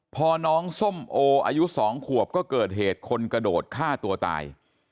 พอน้องส้มโออายุ๒ขวบก็เกิดเหตุคนกระโดดฆ่าตัวตาย